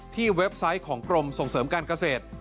เว็บไซต์ของกรมส่งเสริมการเกษตร